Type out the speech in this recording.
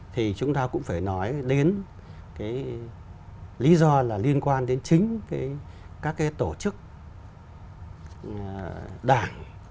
thì chúng ta cũng phải nói đến cái lý do là liên quan đến chính các cái tổ chức đảng